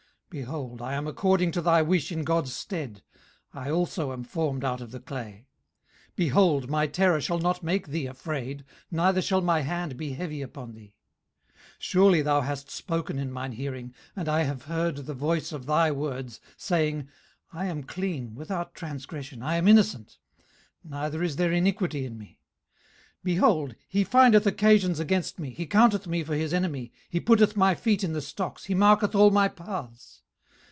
18:033:006 Behold, I am according to thy wish in God's stead: I also am formed out of the clay. 18:033:007 Behold, my terror shall not make thee afraid, neither shall my hand be heavy upon thee. 18:033:008 Surely thou hast spoken in mine hearing, and I have heard the voice of thy words, saying, 18:033:009 I am clean without transgression, I am innocent; neither is there iniquity in me. 18:033:010 Behold, he findeth occasions against me, he counteth me for his enemy, 18:033:011 He putteth my feet in the stocks, he marketh all my paths.